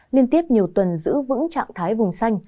liên tiếp nhiều tuần giữ vững trạng thái vùng xanh